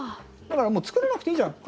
だから作らなくていいじゃん。